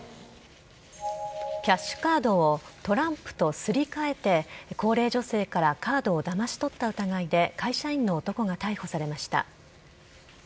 キャッシュカードをトランプとすり替えて高齢女性からカードをだまし取った疑いで会社員の男が逮捕されました。